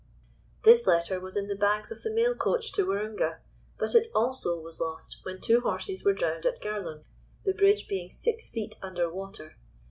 This letter was in the bags of the mail coach to Waroonga, and it also was lost when two horses were drowned at Garlung: the bridge being six feet under water.